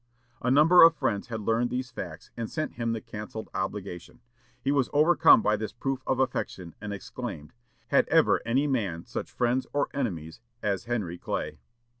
A number of friends had learned these facts, and sent him the cancelled obligation. He was overcome by this proof of affection, and exclaimed, "Had ever any man such friends or enemies as Henry Clay!"